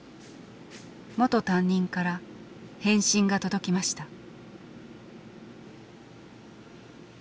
元担任から返信が届きました。